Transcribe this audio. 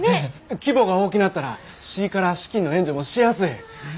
規模が大きなったら市から資金の援助もしやすい。